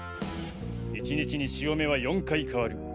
１日に潮目は４回変わる。